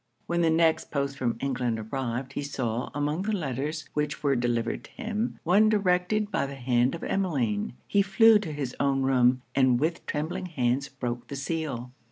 When the next post from England arrived, he saw, among the letters which were delivered to him, one directed by the hand of Emmeline. He flew to his own room, and with trembling hands broke the seal.